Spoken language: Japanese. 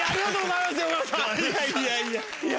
いやいや。